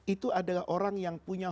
itu adalah orang yang punya